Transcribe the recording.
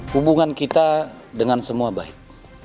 hubungan kita dengan semua baik